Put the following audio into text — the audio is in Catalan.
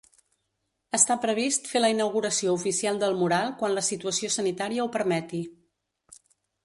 Està previst fer la inauguració oficial del mural quan la situació sanitària ho permeti.